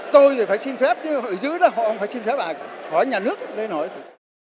tôi thì phải xin phép nhưng họ giữ đó họ không phải xin phép ai hỏi nhà nước lên hỏi thôi